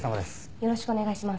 よろしくお願いします。